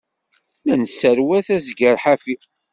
La nesserwat azeggar ḥafi.